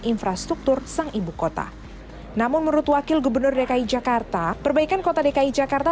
infrastruktur sang ibu kota namun menurut wakil gubernur dki jakarta perbaikan kota dki jakarta